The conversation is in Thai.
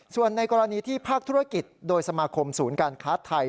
ส่วนในกรณีที่ภาคธุรกิจโดยสมาคมศูนย์การค้าไทย